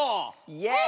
イエイ！